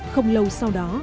không lâu sau đó